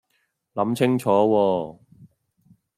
諗清楚喎